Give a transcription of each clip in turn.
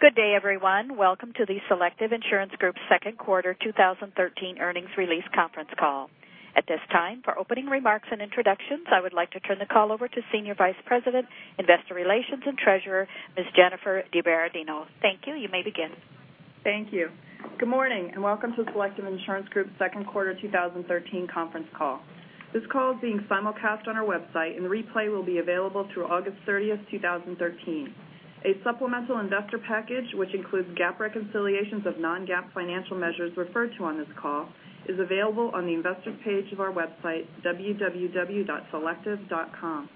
Good day, everyone. Welcome to the Selective Insurance Group second quarter 2013 earnings release conference call. At this time, for opening remarks and introductions, I would like to turn the call over to Senior Vice President, Investor Relations and Treasurer, Ms. Jennifer DiBerardino. Thank you. You may begin. Thank you. Good morning, and welcome to Selective Insurance Group's second quarter 2013 conference call. This call is being simulcast on our website, and the replay will be available through August 30th, 2013. A supplemental investor package, which includes GAAP reconciliations of non-GAAP financial measures referred to on this call, is available on the investor page of our website, www.selective.com.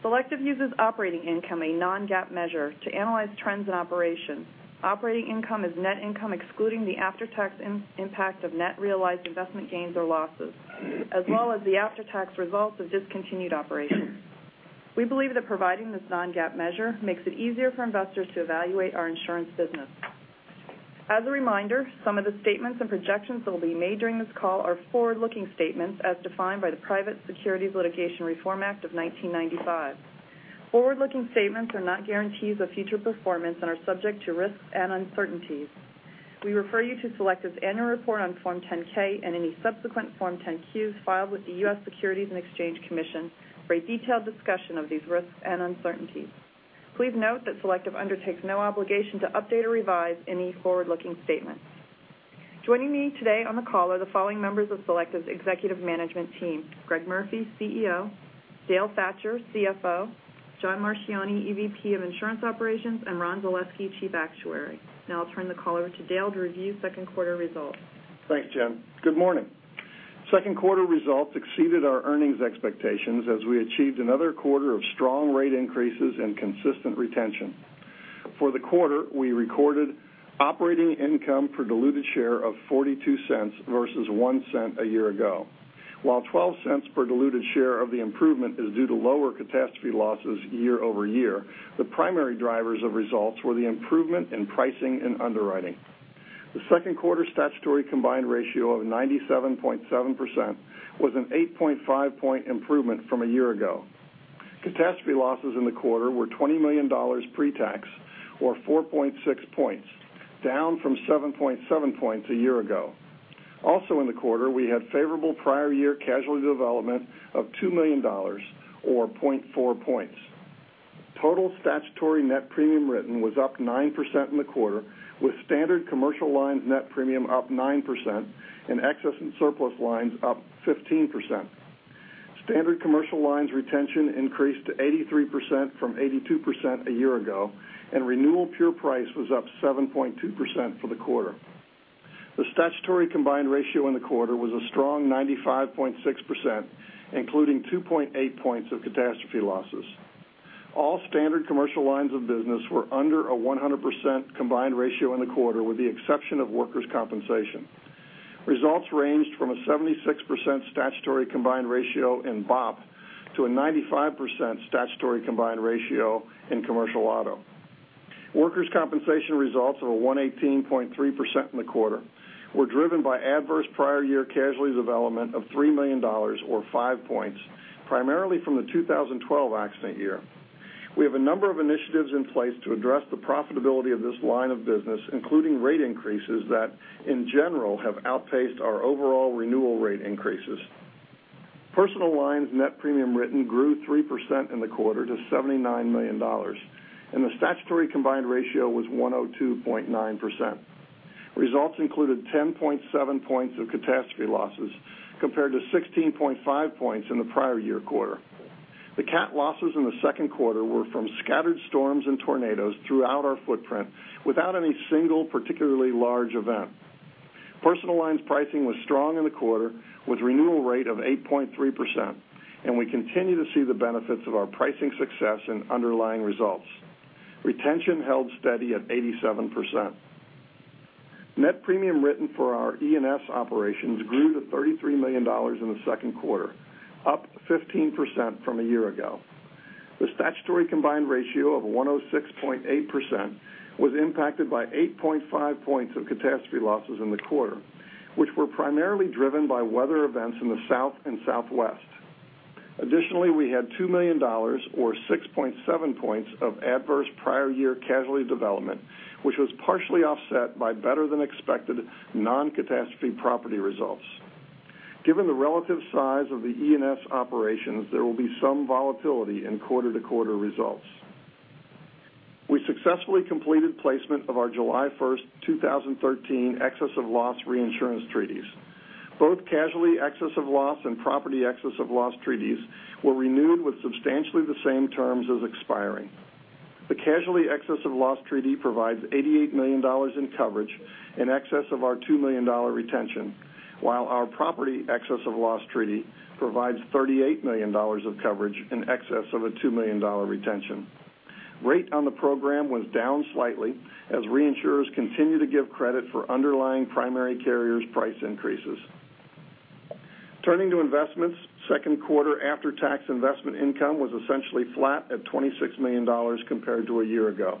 Selective uses operating income, a non-GAAP measure, to analyze trends in operations. Operating income is net income excluding the after-tax impact of net realized investment gains or losses, as well as the after-tax results of discontinued operations. We believe that providing this non-GAAP measure makes it easier for investors to evaluate our insurance business. As a reminder, some of the statements and projections that will be made during this call are forward-looking statements as defined by the Private Securities Litigation Reform Act of 1995. Forward-looking statements are not guarantees of future performance and are subject to risks and uncertainties. We refer you to Selective's annual report on Form 10-K and any subsequent Form 10-Qs filed with the U.S. Securities and Exchange Commission for a detailed discussion of these risks and uncertainties. Please note that Selective undertakes no obligation to update or revise any forward-looking statements. Joining me today on the call are the following members of Selective's executive management team: Greg Murphy, CEO; Dale Thatcher, CFO; John Marchioni, EVP of Insurance Operations; and Ron Zaleski, Chief Actuary. I'll turn the call over to Dale to review second quarter results. Thanks, Jen. Good morning. Second quarter results exceeded our earnings expectations as we achieved another quarter of strong rate increases and consistent retention. For the quarter, we recorded operating income per diluted share of $0.42 versus $0.01 a year ago. While $0.12 per diluted share of the improvement is due to lower catastrophe losses year-over-year, the primary drivers of results were the improvement in pricing and underwriting. The second quarter statutory combined ratio of 97.7% was an 8.5-point improvement from a year ago. Catastrophe losses in the quarter were $20 million pre-tax or 4.6 points, down from 7.7 points a year ago. Also in the quarter, we had favorable prior year casualty development of $2 million or 0.4 points. Total statutory net premium written was up 9% in the quarter, with Standard Commercial Lines net premium up 9% and Excess and Surplus Lines up 15%. Standard commercial lines retention increased to 83% from 82% a year ago. Renewal pure price was up 7.2% for the quarter. The statutory combined ratio in the quarter was a strong 95.6%, including 2.8 points of catastrophe losses. All standard commercial lines of business were under a 100% combined ratio in the quarter, with the exception of Workers' Compensation. Results ranged from a 76% statutory combined ratio in BOP to a 95% statutory combined ratio in Commercial Auto. Workers' Compensation results of a 118.3% in the quarter were driven by adverse prior year casualty development of $3 million, or five points, primarily from the 2012 accident year. We have a number of initiatives in place to address the profitability of this line of business, including rate increases that, in general, have outpaced our overall renewal rate increases. Personal Lines net premium written grew 3% in the quarter to $79 million. The statutory combined ratio was 102.9%. Results included 10.7 points of catastrophe losses compared to 16.5 points in the prior year quarter. The cat losses in the second quarter were from scattered storms and tornadoes throughout our footprint without any single particularly large event. Personal Lines pricing was strong in the quarter with renewal rate of 8.3%. We continue to see the benefits of our pricing success in underlying results. Retention held steady at 87%. Net premium written for our E&S operations grew to $33 million in the second quarter, up 15% from a year ago. The statutory combined ratio of 106.8% was impacted by 8.5 points of catastrophe losses in the quarter, which were primarily driven by weather events in the South and Southwest. Additionally, we had $2 million, or 6.7 points, of adverse prior year casualty development, which was partially offset by better-than-expected non-catastrophe property results. Given the relative size of the E&S operations, there will be some volatility in quarter-to-quarter results. We successfully completed placement of our July 1st, 2013 excess of loss reinsurance treaties. Both casualty excess of loss and property excess of loss treaties were renewed with substantially the same terms as expiring. The casualty excess of loss treaty provides $88 million in coverage in excess of our $2 million retention, while our property excess of loss treaty provides $38 million of coverage in excess of a $2 million retention. Rate on the program was down slightly as reinsurers continue to give credit for underlying primary carriers' price increases. Turning to investments, second quarter after-tax investment income was essentially flat at $26 million compared to a year ago.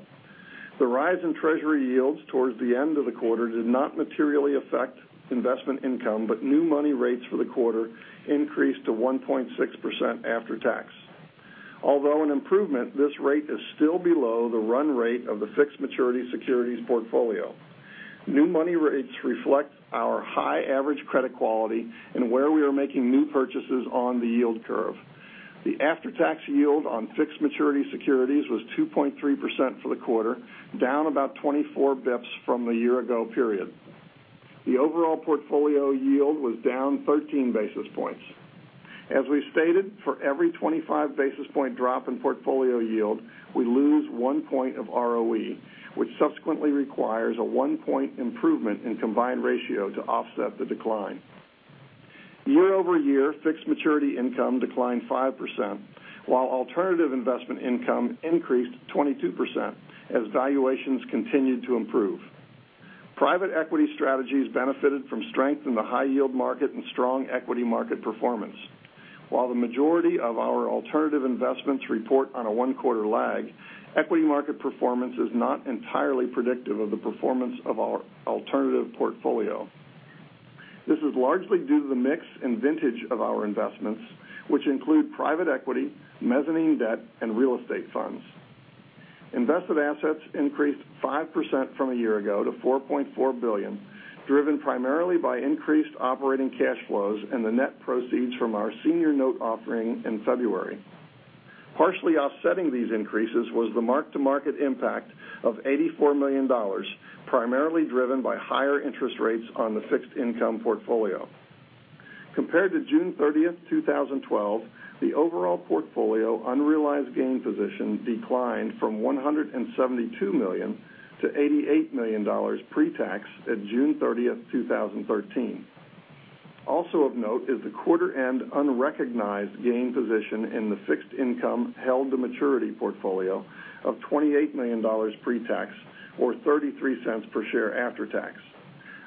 The rise in Treasury yields towards the end of the quarter did not materially affect investment income. New money rates for the quarter increased to 1.6% after tax. Although an improvement, this rate is still below the run rate of the fixed maturity securities portfolio. New money rates reflect our high average credit quality and where we are making new purchases on the yield curve. The after-tax yield on fixed maturity securities was 2.3% for the quarter, down about 24 basis points from the year ago period. The overall portfolio yield was down 13 basis points. As we've stated, for every 25 basis point drop in portfolio yield, we lose one point of ROE, which subsequently requires a one point improvement in combined ratio to offset the decline. Year-over-year, fixed maturity income declined 5%, while alternative investment income increased 22% as valuations continued to improve. Private equity strategies benefited from strength in the high yield market and strong equity market performance. While the majority of our alternative investments report on a one quarter lag, equity market performance is not entirely predictive of the performance of our alternative portfolio. This is largely due to the mix and vintage of our investments, which include private equity, mezzanine debt, and real estate funds. Invested assets increased 5% from a year ago to $4.4 billion, driven primarily by increased operating cash flows and the net proceeds from our senior note offering in February. Partially offsetting these increases was the mark-to-market impact of $84 million, primarily driven by higher interest rates on the fixed income portfolio. Compared to June 30th, 2012, the overall portfolio unrealized gain position declined from $172 million to $88 million pre-tax at June 30th, 2013. Of note is the quarter end unrecognized gain position in the fixed income held to maturity portfolio of $28 million pre-tax, or $0.33 per share after tax.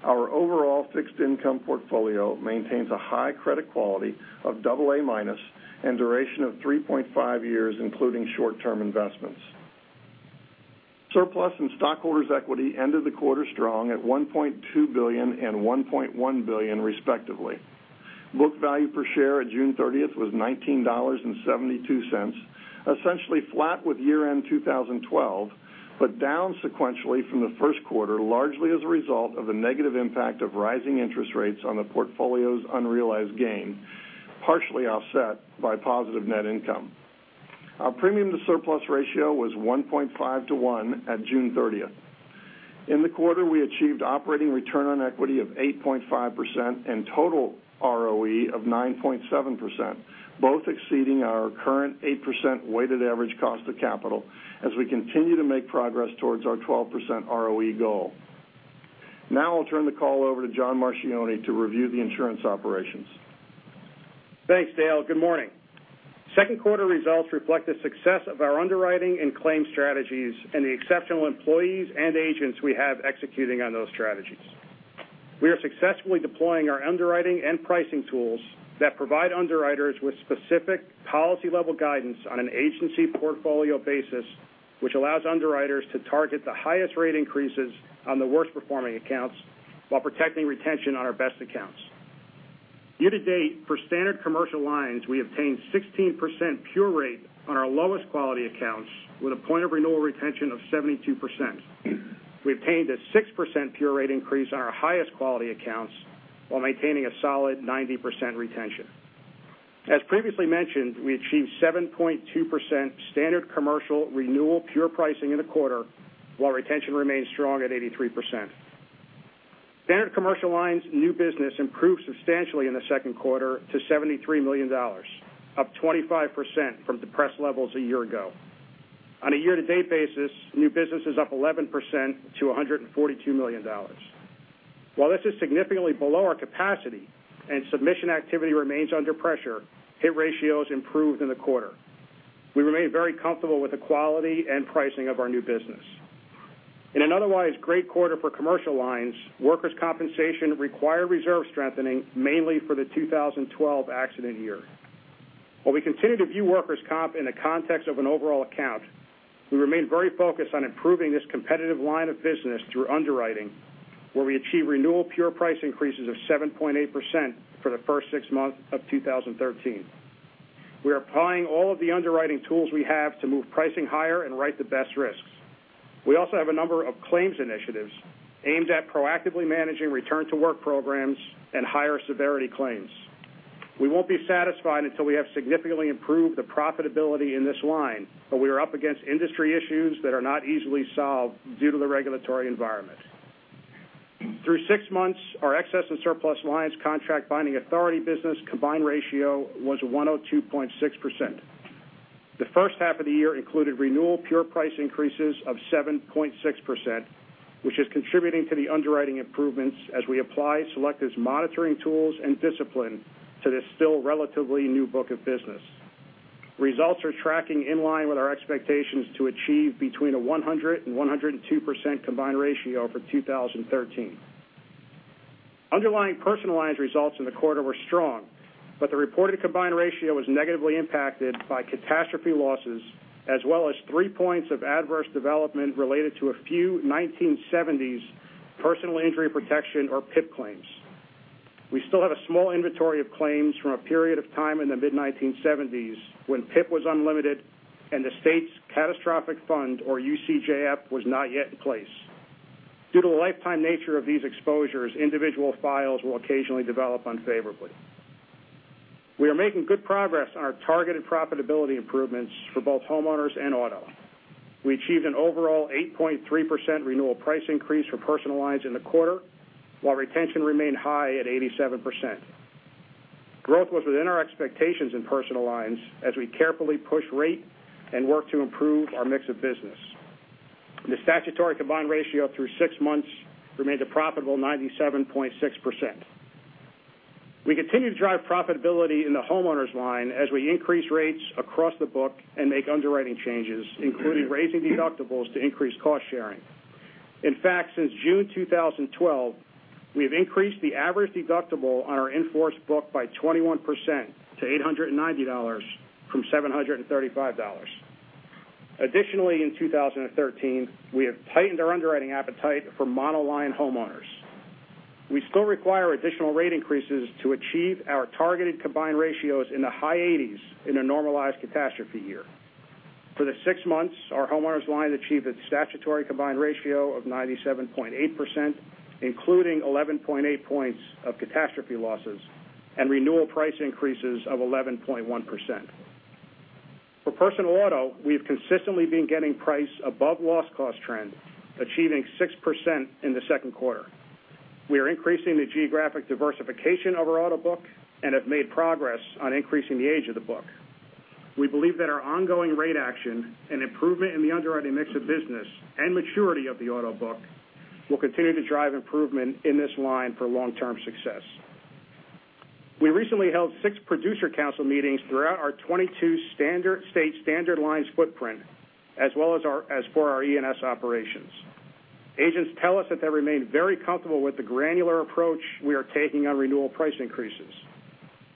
Our overall fixed income portfolio maintains a high credit quality of double A minus and duration of 3.5 years, including short-term investments. Surplus and stockholders' equity ended the quarter strong at $1.2 billion and $1.1 billion, respectively. Book value per share at June 30th was $19.72, essentially flat with year end 2012, but down sequentially from the first quarter, largely as a result of the negative impact of rising interest rates on the portfolio's unrealized gain, partially offset by positive net income. Our premium to surplus ratio was 1.5 to one at June 30th. In the quarter, we achieved operating return on equity of 8.5% and total ROE of 9.7%, both exceeding our current 8% weighted average cost of capital as we continue to make progress towards our 12% ROE goal. I'll turn the call over to John Marchioni to review the insurance operations. Thanks, Dale. Good morning. Second quarter results reflect the success of our underwriting and claims strategies and the exceptional employees and agents we have executing on those strategies. We are successfully deploying our underwriting and pricing tools that provide underwriters with specific policy level guidance on an agency portfolio basis, which allows underwriters to target the highest rate increases on the worst performing accounts while protecting retention on our best accounts. Year to date, for Standard Commercial Lines, we obtained 16% pure rate on our lowest quality accounts with a point of renewal retention of 72%. We obtained a 6% pure rate increase on our highest quality accounts while maintaining a solid 90% retention. As previously mentioned, we achieved 7.2% Standard Commercial renewal pure pricing in the quarter, while retention remains strong at 83%. Standard Commercial Lines new business improved substantially in the second quarter to $73 million, up 25% from depressed levels a year ago. On a year-to-date basis, new business is up 11% to $142 million. While this is significantly below our capacity and submission activity remains under pressure, hit ratios improved in the quarter. We remain very comfortable with the quality and pricing of our new business. In an otherwise great quarter for Commercial Lines, Workers' Compensation required reserve strengthening mainly for the 2012 accident year. While we continue to view Workers' Comp in the context of an overall account, we remain very focused on improving this competitive line of business through underwriting, where we achieve renewal pure price increases of 7.8% for the first six months of 2013. We are applying all of the underwriting tools we have to move pricing higher and write the best risks. We also have a number of claims initiatives aimed at proactively managing return to work programs and higher severity claims. We won't be satisfied until we have significantly improved the profitability in this line, but we are up against industry issues that are not easily solved due to the regulatory environment. Through six months, our Excess and Surplus Lines contract binding authority business combined ratio was 102.6%. The first half of the year included renewal pure price increases of 7.6%, which is contributing to the underwriting improvements as we apply Selective's monitoring tools and discipline to this still relatively new book of business. Results are tracking in line with our expectations to achieve between a 100% and 102% combined ratio for 2013. Underlying Personal Lines results in the quarter were strong, but the reported combined ratio was negatively impacted by catastrophe losses, as well as three points of adverse development related to a few 1970s Personal Injury Protection or PIP claims. We still have a small inventory of claims from a period of time in the mid-1970s when PIP was unlimited and the state's catastrophic fund, or UCJF, was not yet in place. Due to the lifetime nature of these exposures, individual files will occasionally develop unfavorably. We are making good progress on our targeted profitability improvements for both homeowners and auto. We achieved an overall 8.3% renewal price increase for Personal Lines in the quarter, while retention remained high at 87%. Growth was within our expectations in Personal Lines as we carefully push rate and work to improve our mix of business. The statutory combined ratio through six months remained a profitable 97.6%. We continue to drive profitability in the homeowners line as we increase rates across the book and make underwriting changes, including raising deductibles to increase cost sharing. In fact, since June 2012, we have increased the average deductible on our in-force book by 21% to $890 from $735. Additionally, in 2013, we have tightened our underwriting appetite for monoline homeowners. We still require additional rate increases to achieve our targeted combined ratios in the high 80s in a normalized catastrophe year. For the six months, our homeowners line achieved a statutory combined ratio of 97.8%, including 11.8 points of catastrophe losses and renewal price increases of 11.1%. For Personal Auto, we've consistently been getting price above loss cost trend, achieving 6% in the second quarter. We are increasing the geographic diversification of our auto book and have made progress on increasing the age of the book. We believe that our ongoing rate action and improvement in the underwriting mix of business and maturity of the auto book will continue to drive improvement in this line for long-term success. We recently held six producer council meetings throughout our 22 state standard lines footprint, as well as for our E&S operations. Agents tell us that they remain very comfortable with the granular approach we are taking on renewal price increases.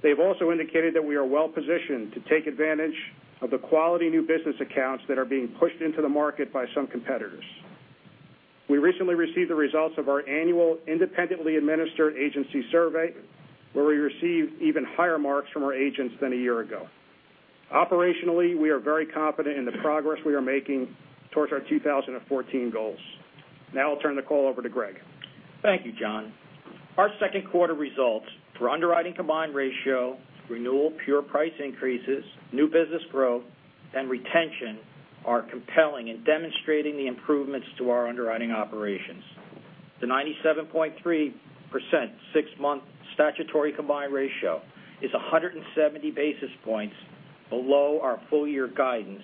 They've also indicated that we are well-positioned to take advantage of the quality new business accounts that are being pushed into the market by some competitors. We recently received the results of our annual independently administered agency survey, where we received even higher marks from our agents than a year ago. Operationally, we are very confident in the progress we are making towards our 2014 goals. I'll turn the call over to Greg. Thank you, John. Our second quarter results for underwriting combined ratio, renewal pure price increases, new business growth, and retention are compelling and demonstrating the improvements to our underwriting operations. The 97.3% six-month statutory combined ratio is 170 basis points below our full year guidance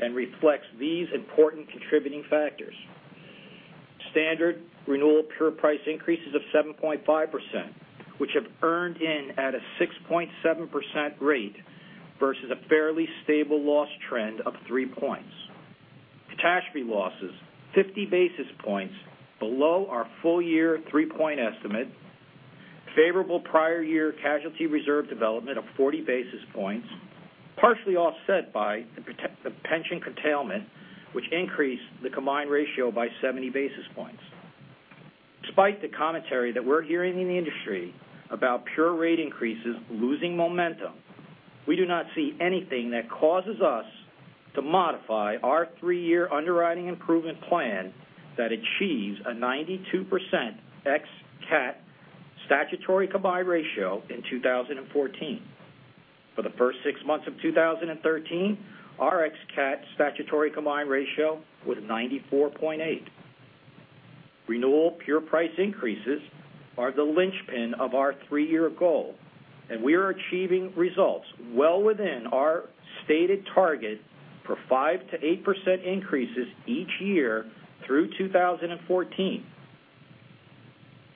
and reflects these important contributing factors. Standard renewal pure price increases of 7.5%, which have earned in at a 6.7% rate versus a fairly stable loss trend of three points. Catastrophe losses 50 basis points below our full year three-point estimate. Favorable prior year casualty reserve development of 40 basis points, partially offset by the pension curtailment, which increased the combined ratio by 70 basis points. Despite the commentary that we're hearing in the industry about pure rate increases losing momentum, we do not see anything that causes us to modify our three-year underwriting improvement plan that achieves a 92% ex cat statutory combined ratio in 2014. For the first six months of 2013, our ex cat statutory combined ratio was 94.8. Renewal pure price increases are the linchpin of our three-year goal, we are achieving results well within our stated target for 5%-8% increases each year through 2014.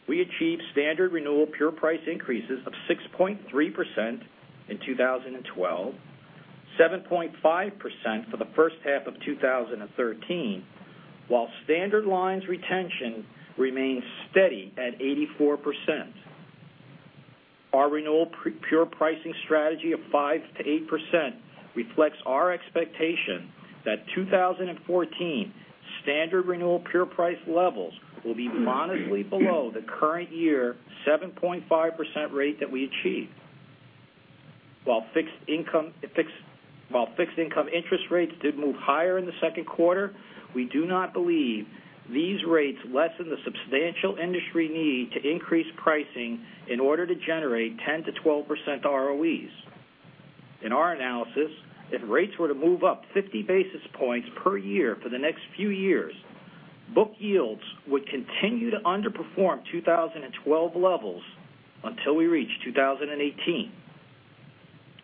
We achieved standard renewal pure price increases of 6.3% in 2012, 7.5% for the first half of 2013, while standard lines retention remains steady at 84%. Our renewal pure pricing strategy of 5%-8% reflects our expectation that 2014 standard renewal pure price levels will be modestly below the current year 7.5% rate that we achieved. While fixed income interest rates did move higher in the second quarter, we do not believe these rates lessen the substantial industry need to increase pricing in order to generate 10%-12% ROEs. In our analysis, if rates were to move up 50 basis points per year for the next few years, book yields would continue to underperform 2012 levels until we reach 2018.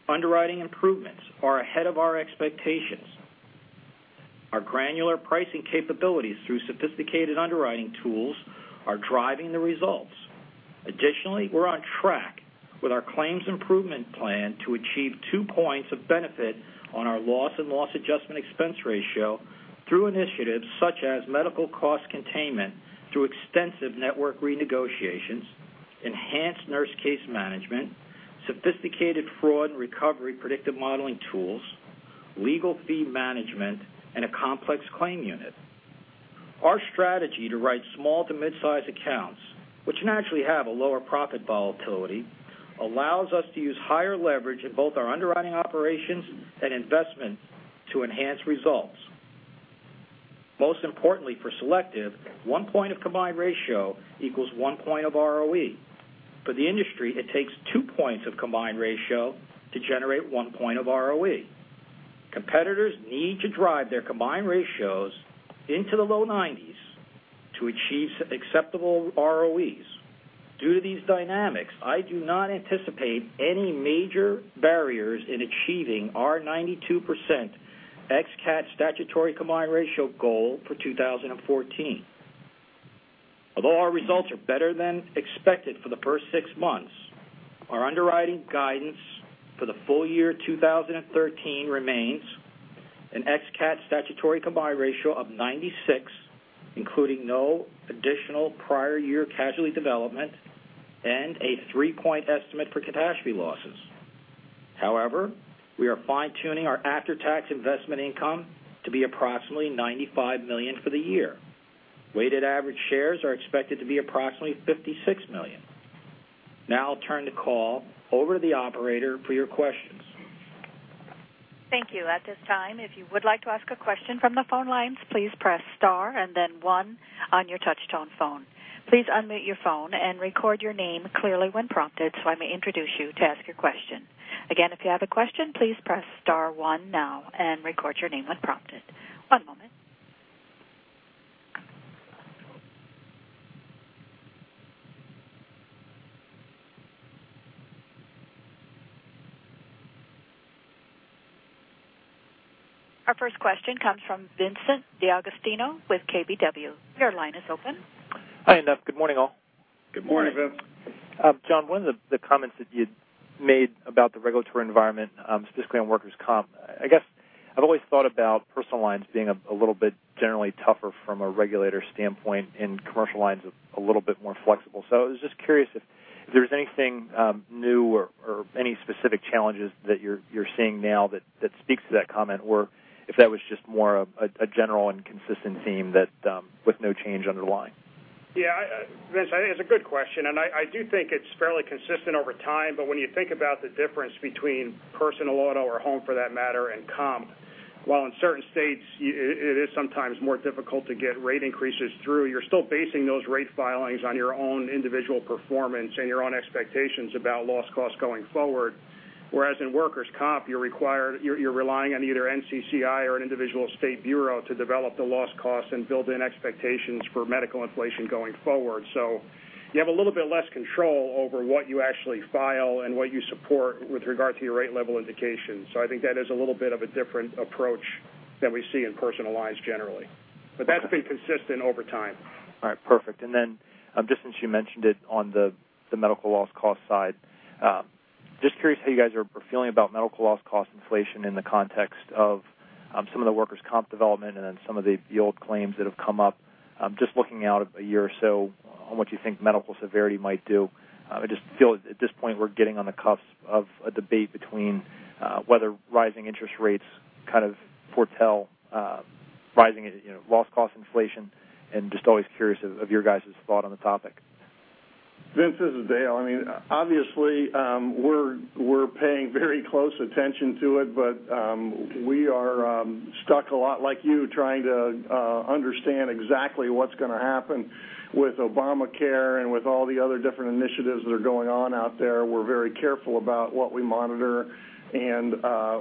Underwriting improvements are ahead of our expectations. Our granular pricing capabilities through sophisticated underwriting tools are driving the results. Additionally, we're on track with our claims improvement plan to achieve two points of benefit on our loss and loss adjustment expense ratio through initiatives such as medical cost containment through extensive network renegotiations, enhanced nurse case management, sophisticated fraud and recovery predictive modeling tools, legal fee management, and a complex claim unit. Our strategy to write small to midsize accounts, which naturally have a lower profit volatility, allows us to use higher leverage in both our underwriting operations and investment to enhance results. Most importantly, for Selective, one point of combined ratio equals one point of ROE. For the industry, it takes two points of combined ratio to generate one point of ROE. Competitors need to drive their combined ratios into the low 90s to achieve acceptable ROEs. Due to these dynamics, I do not anticipate any major barriers in achieving our 92% ex-cat statutory combined ratio goal for 2014. Although our results are better than expected for the first six months, our underwriting guidance for the full year 2013 remains an ex-cat statutory combined ratio of 96, including no additional prior year casualty development and a three-point estimate for catastrophe losses. We are fine-tuning our after-tax investment income to be approximately $95 million for the year. Weighted average shares are expected to be approximately 56 million. I'll turn the call over to the operator for your questions. Thank you. At this time, if you would like to ask a question from the phone lines, please press star and then one on your touchtone phone. Please unmute your phone and record your name clearly when prompted so I may introduce you to ask your question. Again, if you have a question, please press star one now and record your name when prompted. One moment. Our first question comes from Vincent D'Agostino with KBW. Your line is open. Hi, good morning, all. Good morning, Vince. John, one of the comments that you'd made about the regulatory environment, specifically on workers' comp, I guess I've always thought about Personal Lines being a little bit generally tougher from a regulator standpoint and commercial lines a little bit more flexible. I was just curious if there's anything new or any specific challenges that you're seeing now that speaks to that comment, or if that was just more of a general and consistent theme with no change underlying. Vince, I think it's a good question, and I do think it's fairly consistent over time. When you think about the difference between personal auto or home for that matter, and comp, while in certain states it is sometimes more difficult to get rate increases through, you're still basing those rate filings on your own individual performance and your own expectations about loss costs going forward. Whereas in workers' comp, you're relying on either NCCI or an individual state bureau to develop the loss cost and build in expectations for medical inflation going forward. You have a little bit less control over what you actually file and what you support with regard to your rate level indications. I think that is a little bit of a different approach than we see in Personal Lines generally. That's been consistent over time. All right, perfect. Just since you mentioned it on the medical loss cost side, just curious how you guys are feeling about medical loss cost inflation in the context of some of the Workers' Comp development and then some of the old claims that have come up. Just looking out a year or so on what you think medical severity might do. I just feel at this point we're getting on the cusp of a debate between whether rising interest rates kind of foretell rising loss cost inflation and just always curious of your guys' thought on the topic. Vince, this is Dale. Obviously, we're paying very close attention to it, we are stuck a lot like you, trying to understand exactly what's going to happen with Obamacare and with all the other different initiatives that are going on out there. We're very careful about what we monitor,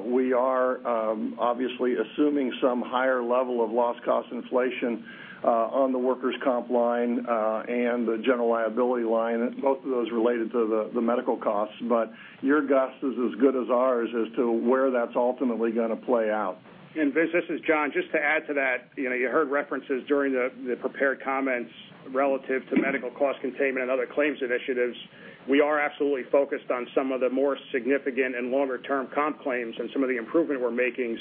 we are obviously assuming some higher level of loss cost inflation on the Workers' Comp line and the General Liability line, both of those related to the medical costs. Your guess is as good as ours as to where that's ultimately going to play out. Vince, this is John. Just to add to that, you heard references during the prepared comments relative to medical cost containment and other claims initiatives. We are absolutely focused on some of the more significant and longer-term comp claims and some of the improvement we're making.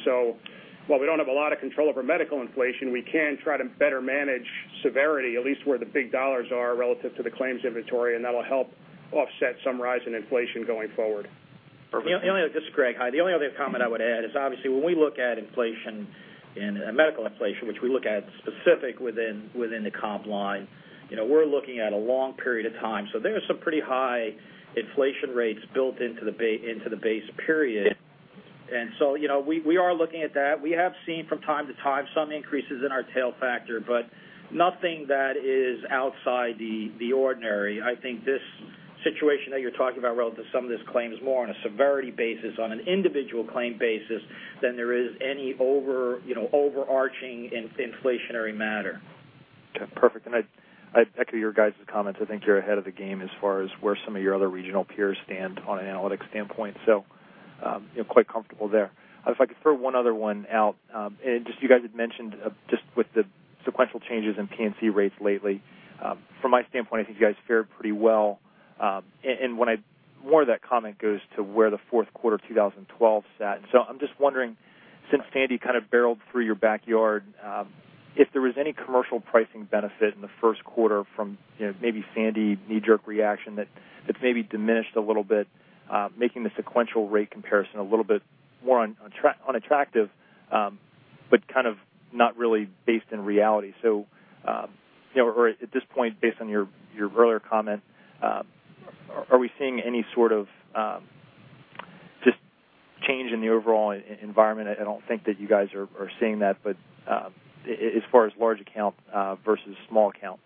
While we don't have a lot of control over medical inflation, we can try to better manage severity, at least where the big dollars are relative to the claims inventory, that'll help offset some rise in inflation going forward. Perfect. This is Greg. Hi. The only other comment I would add is obviously when we look at inflation and medical inflation, which we look at specific within the Comp line, we're looking at a long period of time. There's some pretty high inflation rates built into the base period. We are looking at that. We have seen from time to time some increases in our tail factor, nothing that is outside the ordinary. I think this situation that you're talking about relative to some of this claim is more on a severity basis, on an individual claim basis than there is any overarching inflationary matter. Okay, perfect. I echo your guys' comments. I think you're ahead of the game as far as where some of your other regional peers stand on an analytics standpoint, so quite comfortable there. If I could throw one other one out, you guys had mentioned just with the sequential changes in P&C rates lately. From my standpoint, I think you guys fared pretty well. More of that comment goes to where the fourth quarter 2012 sat. I'm just wondering, since Sandy kind of barreled through your backyard, if there was any commercial pricing benefit in the first quarter from maybe Sandy knee-jerk reaction that's maybe diminished a little bit Making the sequential rate comparison a little bit more unattractive but kind of not really based in reality. At this point, based on your earlier comment, are we seeing any sort of change in the overall environment? I don't think that you guys are seeing that. As far as large account versus small account.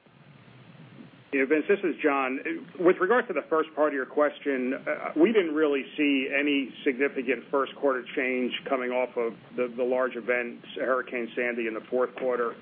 Vince, this is John. With regard to the first part of your question, we didn't really see any significant first quarter change coming off of the large events, Hurricane Sandy in the fourth quarter.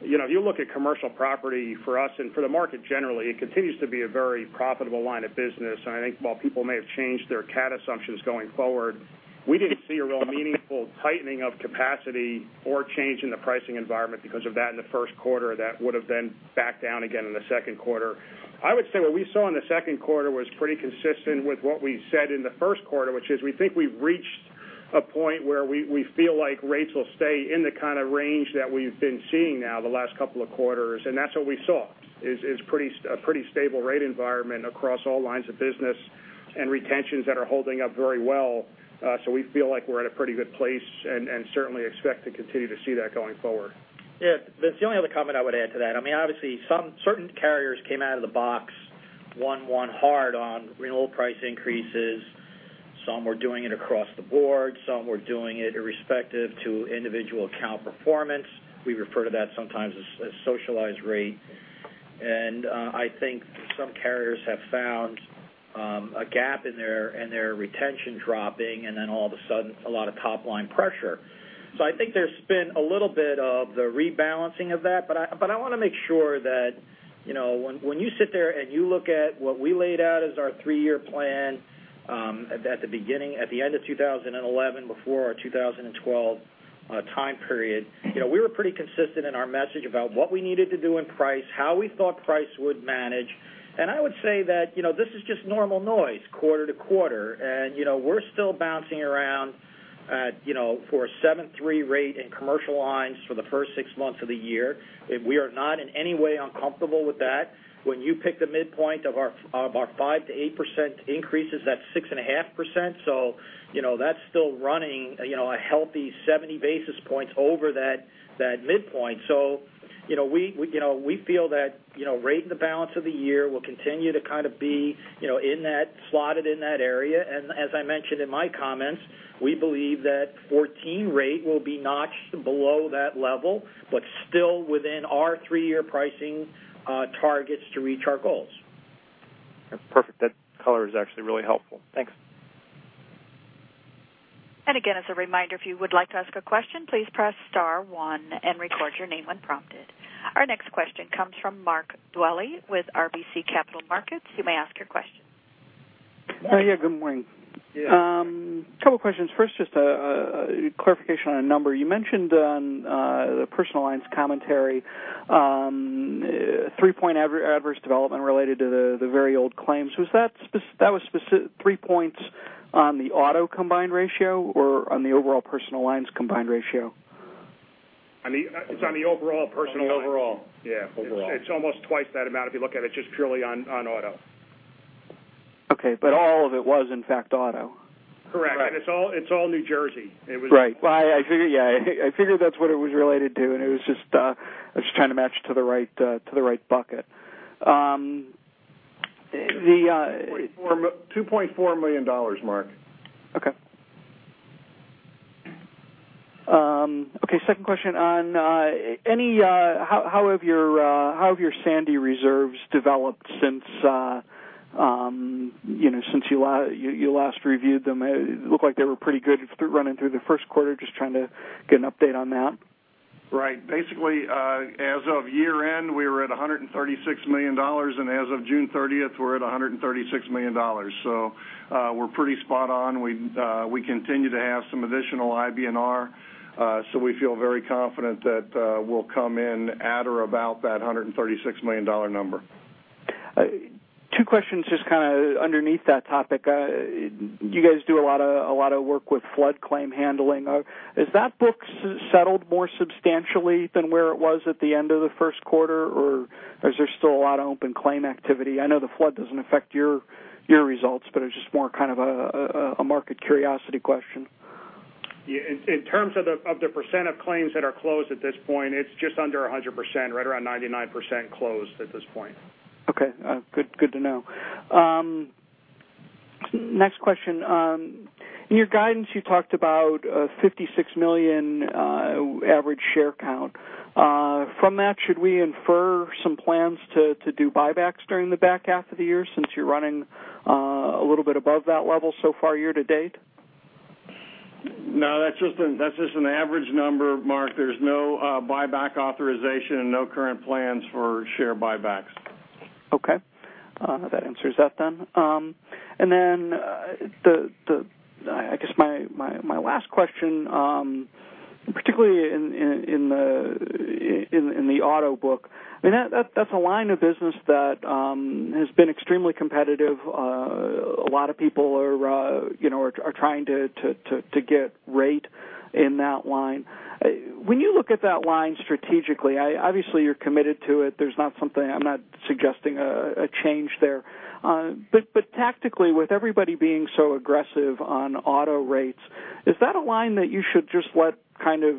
If you look at Commercial Property for us and for the market generally, it continues to be a very profitable line of business. I think while people may have changed their cat assumptions going forward, we didn't see a real meaningful tightening of capacity or change in the pricing environment because of that in the first quarter that would've been back down again in the second quarter. I would say what we saw in the second quarter was pretty consistent with what we said in the first quarter, which is we think we've reached a point where we feel like rates will stay in the kind of range that we've been seeing now the last couple of quarters, and that's what we saw, is a pretty stable rate environment across all lines of business and retentions that are holding up very well. We feel like we're at a pretty good place and certainly expect to continue to see that going forward. Yeah. Vince, the only other comment I would add to that, obviously certain carriers came out of the box on hard on renewal price increases. Some were doing it across the board, some were doing it irrespective to individual account performance. We refer to that sometimes as socialized rate. I think some carriers have found a gap in their retention dropping and then all of a sudden, a lot of top-line pressure. I think there's been a little bit of the rebalancing of that, but I want to make sure that when you sit there and you look at what we laid out as our three-year plan at the end of 2011 before our 2012 time period, we were pretty consistent in our message about what we needed to do in price, how we thought price would manage. I would say that this is just normal noise quarter-to-quarter, we're still bouncing around for a 7.3% rate in Commercial Lines for the first six months of the year. We are not in any way uncomfortable with that. When you pick the midpoint of our 5%-8% increases, that's 6.5%, that's still running a healthy 70 basis points over that midpoint. We feel that rate in the balance of the year will continue to kind of be slotted in that area. As I mentioned in my comments, we believe that 2014 rate will be notched below that level, but still within our three-year pricing targets to reach our goals. Perfect. That color is actually really helpful. Thanks. Again, as a reminder, if you would like to ask a question, please press star one and record your name when prompted. Our next question comes from Mark Dwelle with RBC Capital Markets. You may ask your question. Yeah. Good morning. Yeah. A couple of questions. First, just a clarification on a number. You mentioned on the Personal Lines commentary, three-point adverse development related to the very old claims. That was three points on the auto combined ratio or on the overall Personal Lines combined ratio? It's on the overall Personal Lines. Overall. Yeah. Overall. It's almost twice that amount if you look at it just purely on auto. Okay. all of it was in fact auto? Correct. Right. It's all New Jersey. Right. I figured, yeah. I figured that's what it was related to, and I was just trying to match to the right bucket. $2.4 million, Mark. Okay. Second question on how have your Sandy reserves developed since you last reviewed them? It looked like they were pretty good running through the first quarter. Just trying to get an update on that. Right. Basically, as of year-end, we were at $136 million, and as of June 30th, we're at $136 million. We're pretty spot on. We continue to have some additional IBNR. We feel very confident that we'll come in at or about that $136 million number. Two questions just kind of underneath that topic. You guys do a lot of work with flood claim handling. Has that book settled more substantially than where it was at the end of the first quarter, or is there still a lot of open claim activity? I know the flood doesn't affect your results, it's just more kind of a market curiosity question. In terms of the percent of claims that are closed at this point, it's just under 100%, right around 99% closed at this point. Okay. Good to know. Next question. In your guidance, you talked about a 56 million average share count. From that, should we infer some plans to do buybacks during the back half of the year, since you're running a little bit above that level so far year-to-date? No, that's just an average number, Mark. There's no buyback authorization and no current plans for share buybacks. Okay. That answers that then. I guess my last question, particularly in the auto book. That's a line of business that has been extremely competitive. A lot of people are trying to get rate in that line. When you look at that line strategically, obviously you're committed to it. There's not something, I'm not suggesting a change there. Tactically, with everybody being so aggressive on auto rates, is that a line that you should just let kind of,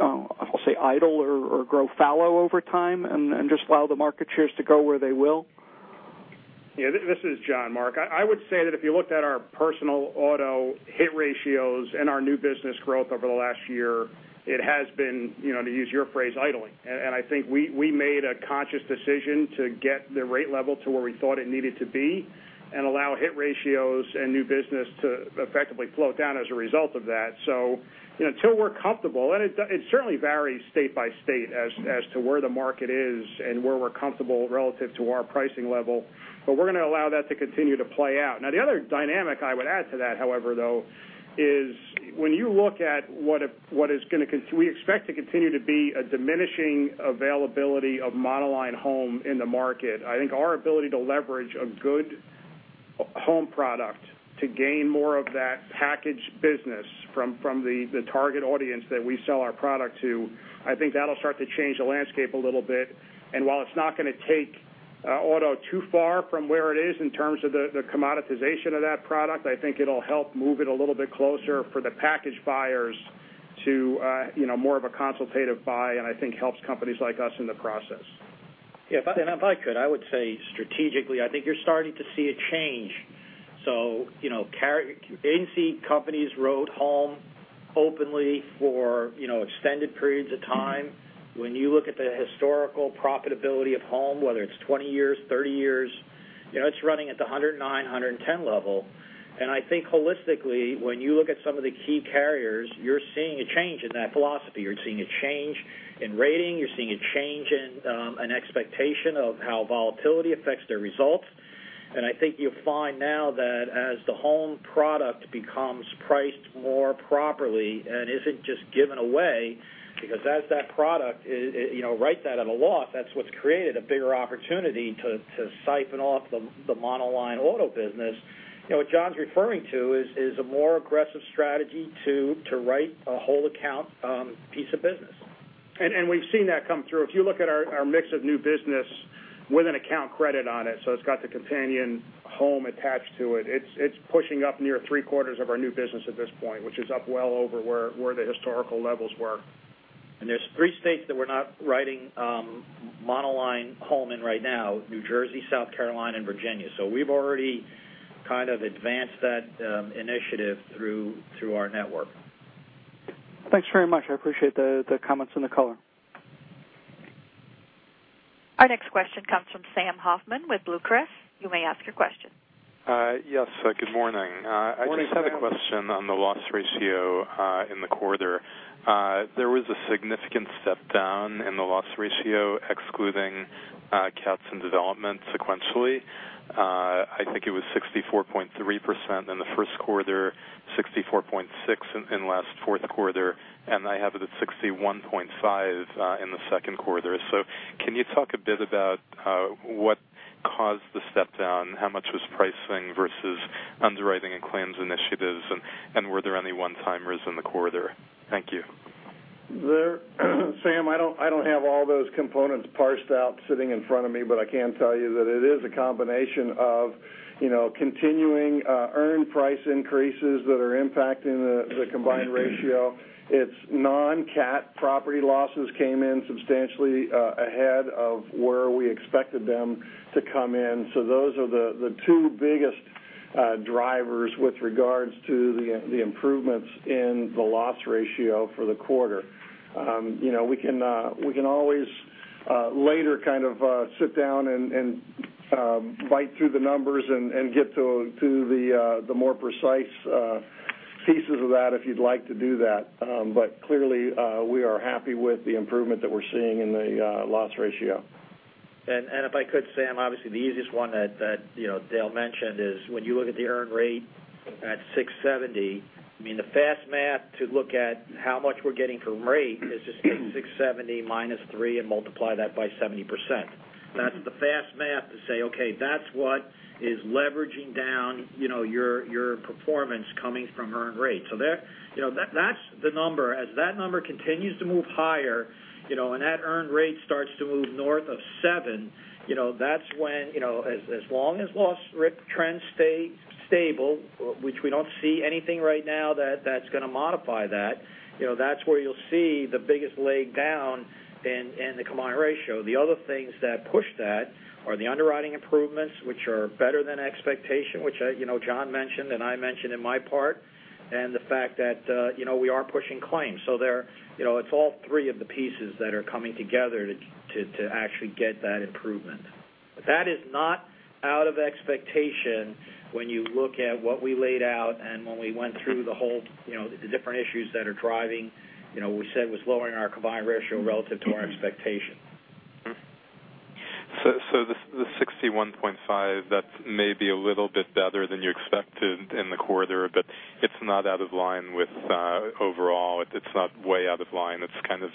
I'll say, idle or grow fallow over time and just allow the market shares to go where they will? Yeah, this is John, Mark. I would say that if you looked at our personal auto hit ratios and our new business growth over the last year, it has been, to use your phrase, idling. I think we made a conscious decision to get the rate level to where we thought it needed to be and allow hit ratios and new business to effectively flow down as a result of that. Until we're comfortable, and it certainly varies state by state as to where the market is and where we're comfortable relative to our pricing level, but we're going to allow that to continue to play out. The other dynamic I would add to that, however, though, is when you look at what We expect to continue to be a diminishing availability of monoline home in the market. I think our ability to leverage a good home product to gain more of that package business from the target audience that we sell our product to, I think that'll start to change the landscape a little bit. While it's not going to take auto too far from where it is in terms of the commoditization of that product, I think it'll help move it a little bit closer for the package buyers to more of a consultative buy, and I think helps companies like us in the process. If I could, I would say strategically, I think you're starting to see a change. You didn't see companies wrote home openly for extended periods of time. When you look at the historical profitability of home, whether it's 20 years, 30 years, it's running at the 109, 110 level. I think holistically, when you look at some of the key carriers, you're seeing a change in that philosophy. You're seeing a change in rating, you're seeing a change in an expectation of how volatility affects their results. I think you'll find now that as the home product becomes priced more properly and isn't just given away, because as that product, write that on a loss, that's what's created a bigger opportunity to siphon off the monoline auto business. What John's referring to is a more aggressive strategy to write a whole account piece of business. We've seen that come through. If you look at our mix of new business with an account credit on it, so it's got the companion home attached to it. It's pushing up near three quarters of our new business at this point, which is up well over where the historical levels were. There's three states that we're not writing monoline home in right now: New Jersey, South Carolina, and Virginia. We've already kind of advanced that initiative through our network. Thanks very much. I appreciate the comments and the color. Our next question comes from Sam Hoffman with BlueCrest. You may ask your question. Good morning. Morning, Sam. I just have a question on the loss ratio, in the quarter. There was a significant step down in the loss ratio, excluding CATs and development sequentially. I think it was 64.3% in the first quarter, 64.6% in last fourth quarter, and I have it at 61.5% in the second quarter. Can you talk a bit about what caused the step down? How much was pricing versus underwriting and claims initiatives, and were there any one-timers in the quarter? Thank you. Sam, I don't have all those components parsed out sitting in front of me, but I can tell you that it is a combination of continuing earned price increases that are impacting the combined ratio. Its non-CAT property losses came in substantially ahead of where we expected them to come in. Those are the two biggest drivers with regards to the improvements in the loss ratio for the quarter. We can always later kind of sit down and bite through the numbers and get to the more precise pieces of that if you'd like to do that. Clearly, we are happy with the improvement that we're seeing in the loss ratio. If I could, Sam, obviously the easiest one that Dale mentioned is when you look at the earn rate at 6.70%, I mean, the fast math to look at how much we're getting for rate is just take 6.70% minus 3 and multiply that by 70%. That's the fast math to say, okay, that's what is leveraging down your performance coming from earned rate. That's the number. As that number continues to move higher, and that earned rate starts to move north of 7, that's when as long as loss ratio trends stay stable, which we don't see anything right now that's going to modify that's where you'll see the biggest leg down in the combined ratio. The other things that push that are the underwriting improvements, which are better than expectation, which John mentioned and I mentioned in my part, and the fact that we are pushing claims. It's all three of the pieces that are coming together to actually get that improvement. That is not out of expectation when you look at what we laid out and when we went through the whole different issues that are driving, we said it was lowering our combined ratio relative to our expectation. I see 1.5, that's maybe a little bit better than you expected in the quarter, but it's not out of line with overall, it's not way out of line. It's kind of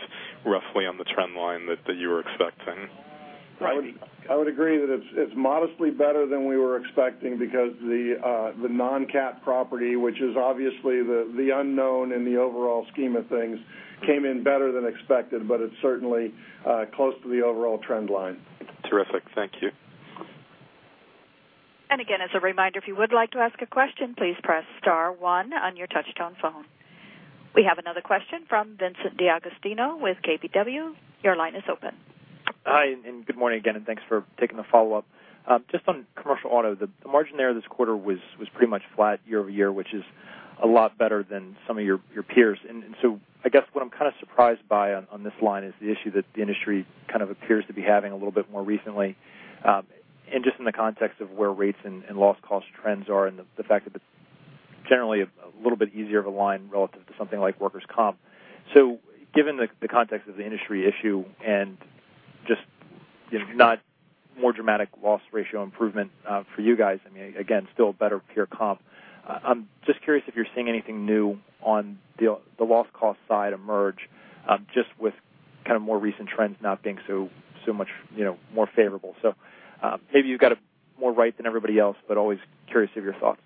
roughly on the trend line that you were expecting. I would agree that it's modestly better than we were expecting because the non-cat property, which is obviously the unknown in the overall scheme of things, came in better than expected, but it's certainly close to the overall trend line. Terrific. Thank you. Again, as a reminder, if you would like to ask a question, please press star one on your touch-tone phone. We have another question from Vincent D'Agostino with KBW. Your line is open. Hi, good morning again, thanks for taking the follow-up. Just on Commercial Auto, the margin there this quarter was pretty much flat year-over-year, which is a lot better than some of your peers. I guess what I'm kind of surprised by on this line is the issue that the industry kind of appears to be having a little bit more recently. Just in the context of where rates and loss cost trends are and the fact that it's generally a little bit easier of a line relative to something like workers' comp. Given the context of the industry issue and just not more dramatic loss ratio improvement, for you guys, again, still better peer comp. I'm just curious if you're seeing anything new on the loss cost side emerge, just with kind of more recent trends not being so much more favorable. Maybe you've got it more right than everybody else, but always curious of your thoughts.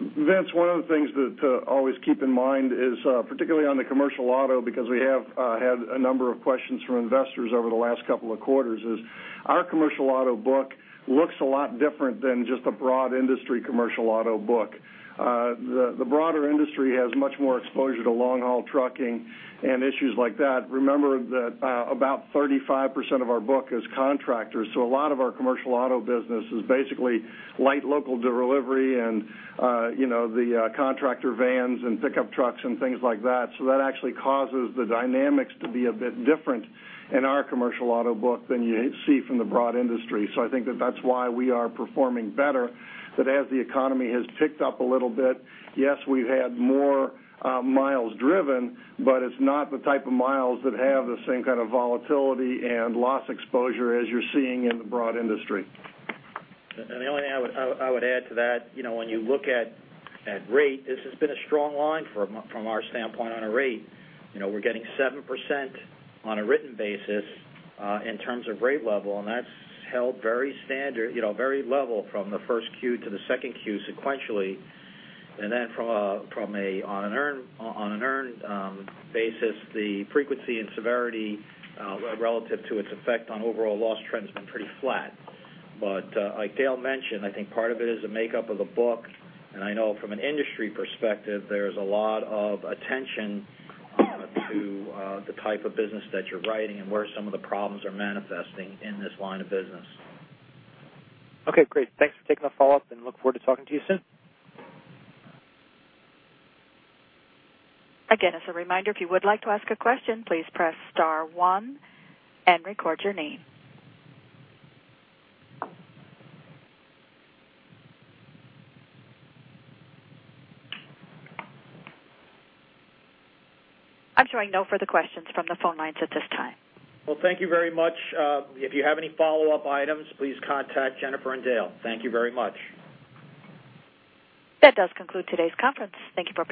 Vince, one of the things to always keep in mind is, particularly on the Commercial Auto, because we have had a number of questions from investors over the last couple of quarters, is our Commercial Auto book looks a lot different than just a broad industry Commercial Auto book. The broader industry has much more exposure to long-haul trucking and issues like that. Remember that about 35% of our book is contractors, so a lot of our Commercial Auto business is basically light local delivery and the contractor vans and pickup trucks and things like that. That actually causes the dynamics to be a bit different in our Commercial Auto book than you see from the broad industry. I think that that's why we are performing better. As the economy has picked up a little bit, yes, we've had more miles driven, but it's not the type of miles that have the same kind of volatility and loss exposure as you're seeing in the broad industry. The only thing I would add to that, when you look at rate, this has been a strong line from our standpoint on a rate. We're getting 7% on a written basis, in terms of rate level, and that's held very standard, very level from the first Q to the second Q sequentially. On an earned basis, the frequency and severity, relative to its effect on overall loss trend has been pretty flat. Like Dale mentioned, I think part of it is the makeup of the book. I know from an industry perspective, there's a lot of attention to the type of business that you're writing and where some of the problems are manifesting in this line of business. Okay, great. Thanks for taking the follow-up and look forward to talking to you soon. Again, as a reminder, if you would like to ask a question, please press star one and record your name. I'm showing no further questions from the phone lines at this time. Well, thank you very much. If you have any follow-up items, please contact Jennifer and Dale. Thank you very much. That does conclude today's conference. Thank you for participating.